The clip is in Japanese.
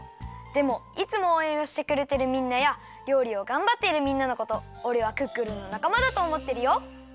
でもいつもおうえんをしてくれてるみんなやりょうりをがんばっているみんなのことおれはクックルンのなかまだとおもってるよ。